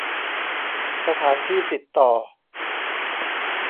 สถานที่ติดต่อ